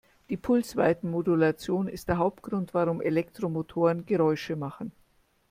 Die Pulsweitenmodulation ist der Hauptgrund, warum Elektromotoren Geräusche machen.